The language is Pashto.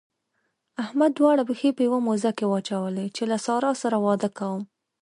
احمد دواړه پښې په يوه موزه کې واچولې چې له سارا سره واده کوم.